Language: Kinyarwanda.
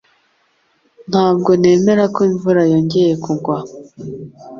Ntabwo nemera ko imvura yongeye kugwa